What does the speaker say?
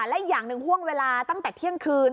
และอีกอย่างหนึ่งห่วงเวลาตั้งแต่เที่ยงคืน